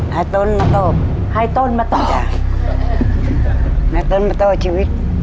ให้ต้นมาตอบให้ต้นมาตอบจ้ะให้ต้นมาต่อชีวิต